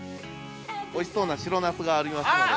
おいしそうな白ナスがありますので・